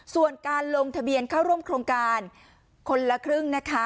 ส่วนการลงทะเบียนเข้าร่วมโครงการคนละครึ่งนะคะ